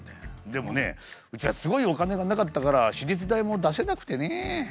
でもねうちはすごいお金がなかったから手術代も出せなくてね。